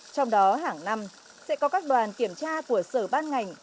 trong đó hàng năm sẽ có các đoàn kiểm tra của sở ban ngành